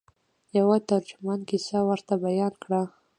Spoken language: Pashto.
یوه ترجمان کیسه ورته بیان کړه.